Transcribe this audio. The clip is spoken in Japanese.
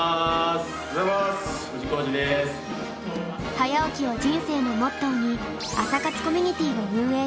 早起きを人生のモットーに朝活コミュニティーを運営しています。